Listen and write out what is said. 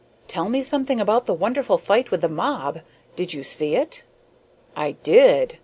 "Tell me something about that wonderful fight with the mob. Did you see it?" "I did.